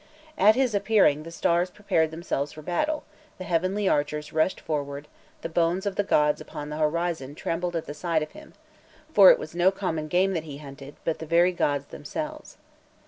At his appearing "the stars prepared themselves for battle, the heavenly archers rushed forward, the bones of the gods upon the horizon trembled at the sight of him," for it was no common game that he hunted, but the very gods themselves.